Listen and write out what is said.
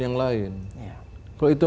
yang lain kalau itu